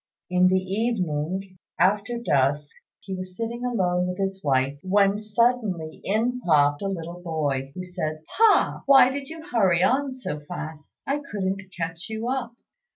In the evening, after dusk, he was sitting alone with his wife, when suddenly in popped a little boy, who said, "Pa! why did you hurry on so fast? I couldn't catch you up."